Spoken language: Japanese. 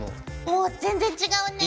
おっ全然違うね。